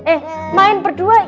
eh main berdua